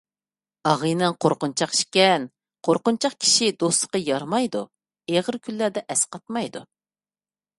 ئاغىنەڭ قورقۇنچاق ئىكەن، قورقۇنچاق كىشى دوستلۇققا يارىمايدۇ، ئېغىر كۈنلەردە ئەسقاتمايدۇ.